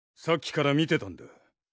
さっきから見てたんだ。